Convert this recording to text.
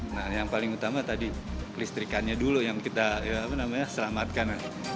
nah yang paling utama tadi listrikannya dulu yang kita selamatkan